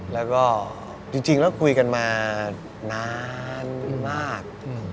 แล้วก็จริงแล้วคุยกันมานานมาก